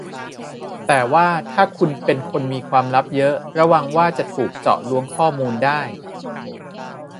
แต่ว่าถ้าคุณเป็นคนมีความลับเยอะระวังว่าจะถูกเจาะล้วงข้อมูลได้